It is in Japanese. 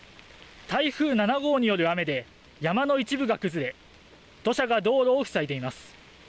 台風７号による雨で山の一部が崩れ、土砂が道路を塞いでいます。